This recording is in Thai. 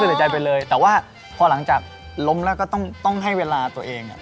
เสียใจไปเลยแต่ว่าพอหลังจากล้มแล้วก็ต้องให้เวลาตัวเองเนี่ย